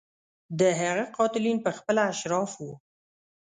د هغه قاتلین په خپله اشراف وو.